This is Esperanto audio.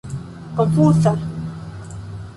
konfuza